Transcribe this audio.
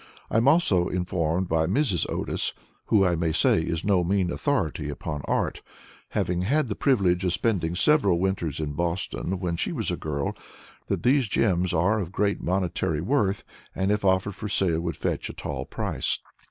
I am also informed by Mrs. Otis, who, I may say, is no mean authority upon Art, having had the privilege of spending several winters in Boston when she was a girl, that these gems are of great monetary worth, and if offered for sale would fetch a tall price.